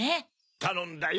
たのんだよ。